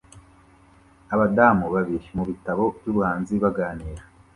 Abadamu babiri mubitabo byubuhanzi baganira